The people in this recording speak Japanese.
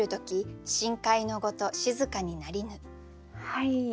はい。